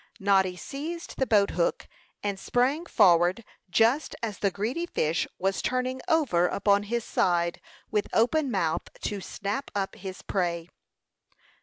Noddy seized the boat hook, and sprang forward just as the greedy fish was turning over upon his side, with open mouth, to snap up his prey.